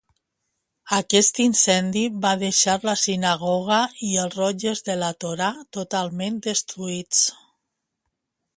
Aquest incendi va deixar la sinagoga i els rotlles de la Torà totalment destruïts.